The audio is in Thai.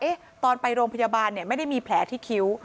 ตอนไปโรงพยาบาลเนี่ยไม่ได้มีแผลที่คิ้ว